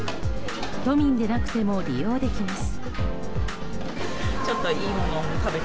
都民でなくても利用できます。